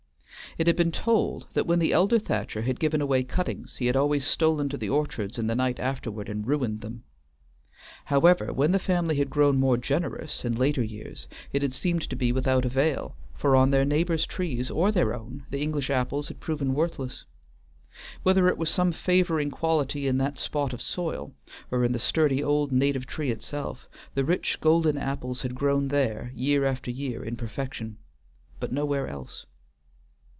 It had been told that when the elder Thacher had given away cuttings he had always stolen to the orchards in the night afterward and ruined them. However, when the family had grown more generous in later years it had seemed to be without avail, for, on their neighbors' trees or their own, the English apples had proved worthless. Whether it were some favoring quality in that spot of soil or in the sturdy old native tree itself, the rich golden apples had grown there, year after year, in perfection, but nowhere else.